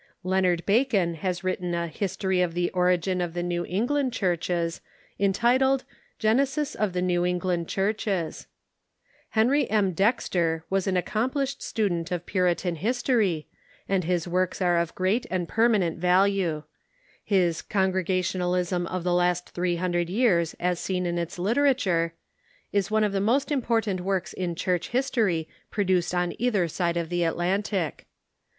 Leonard Bacon has written a History of the origin of the New England Churches, entitled " Genesis of the New England Churches." Henry M. Dexter was an accora Other American piigi^g(j student of Puritan history, and his works Church Historians '"^■. are of great and permanent value. His " Con gregationalism of the Last Three Hundred Years as Seen in its Literature " is one of the most important works in Church history produced on either side of the Atlantic.